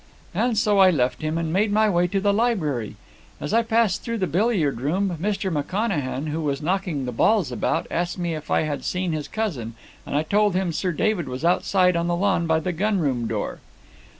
"And so I left him, and made my way to the library. As I passed through the billiard room, Mr. McConachan, who was knocking the balls about, asked me if I had seen his cousin, and I told him Sir David was outside on the lawn by the gun room door.